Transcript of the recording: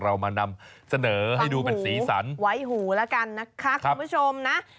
เรามานำเสนอให้ดูเป็นสีสันไว้หูแล้วกันนะคะคุณผู้ชมนะ